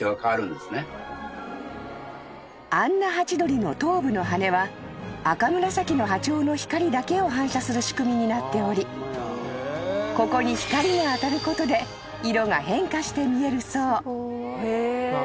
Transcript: ［アンナハチドリの頭部の羽は赤紫の波長の光だけを反射する仕組みになっておりここに光が当たることで色が変化して見えるそう］